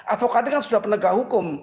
advokade kan sudah penegak hukum